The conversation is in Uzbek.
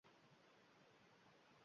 Millionlab afgʻon bolalari